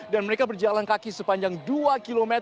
dan mereka berjalan kaki sepanjang dua km